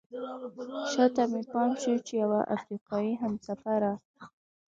شاته مې پام شو چې یوه افریقایي همسفره.